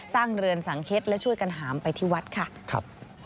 เรือนสังเค็ดและช่วยกันหามไปที่วัดค่ะ